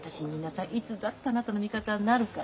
いつだってあなたの味方になるから。ね！